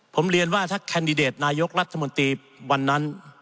ผมเรียนว่าถ้าแคนดิเดตนายกรัฐมนตรีวันนั้น